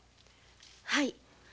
はい。